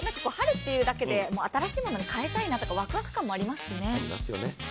春というだけで新しいものにかえたいなとかわくわく感もありますしね。